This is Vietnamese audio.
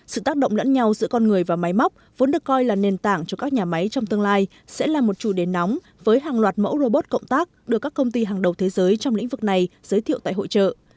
sự tác động lẫn nhau giữa con người và máy móc vốn được coi là nền tảng cho các nhà máy trong tương lai sẽ là một chủ đề nóng với hàng loạt mẫu robot cộng tác được các công ty hàng đầu thế giới trong lĩnh vực này giới thiệu tại hội trợ